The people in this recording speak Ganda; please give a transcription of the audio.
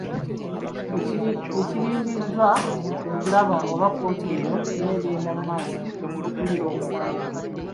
Ekirindiriddwa kwe kulaba oba kkooti eno enaagenda mu maaso n’okuwulira omusango guno.